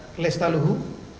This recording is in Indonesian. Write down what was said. berdasarkan keterangan saudara novel